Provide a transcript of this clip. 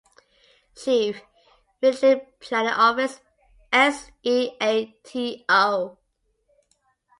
Chief, Military Planning Office, S. E. A. T. O.